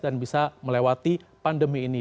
dan bisa melewati pandemi ini